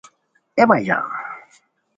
اے مہ ژان